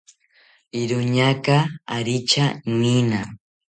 iroñaka aretya noena